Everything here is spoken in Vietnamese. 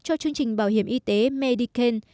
cho chương trình bảo hiểm y tế medicaid